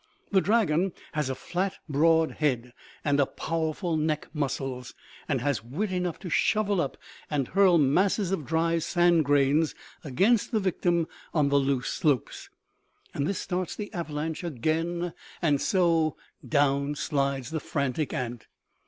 The dragon has a flat, broad head and powerful neck muscles, and has wit enough to shovel up and hurl masses of dry sand grains against the victim on the loose slopes. And this starts the avalanche again, and so down slides the frantic ant.